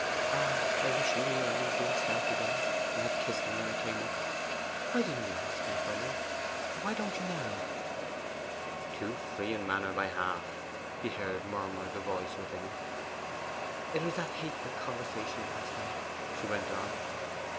Ah, I wish you were your own dear self again, and had kissed me when I came up! Why didn't you ask me for one? why don't you now?' 'Too free in manner by half,' he heard murmur the voice within him. 'It was that hateful conversation last night,' she went on.